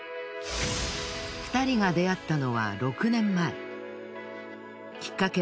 ２人が出会ったのは６年前。